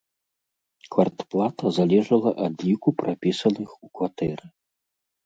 Квартплата залежала ад ліку прапісаных у кватэры.